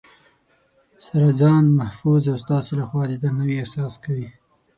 سره ځان محفوظ او ستاسې لخوا د درناوي احساس کوي